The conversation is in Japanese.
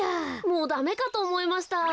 もうダメかとおもいました。